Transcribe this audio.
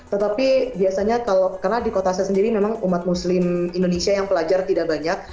tetapi biasanya karena di kota saya sendiri memang umat muslim indonesia yang pelajar tidak banyak